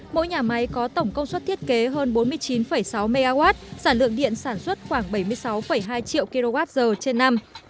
mỗi nhà máy có tổng công suất thiết kế hơn bốn mươi chín sáu mw sản lượng điện sản xuất khoảng bảy mươi sáu hai triệu kwh trên năm